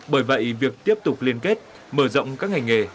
bởi vậy việc tiếp tục liên kết mở rộng các ngành nghề